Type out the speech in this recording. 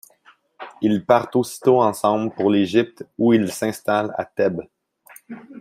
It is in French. Ils partent aussitôt ensemble pour l'Égypte où ils s'installent à Thèbes.